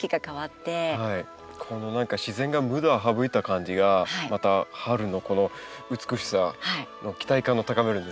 何か自然が無駄を省いた感じがまた春のこの美しさの期待感を高めるんですよね。